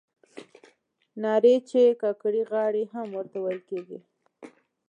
نارې چې کاکړۍ غاړې هم ورته ویل کیږي.